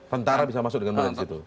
tentara bisa masuk dengan mudah di situ